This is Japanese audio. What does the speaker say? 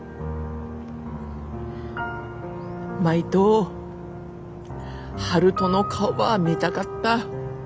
舞と悠人の顔ば見たかった。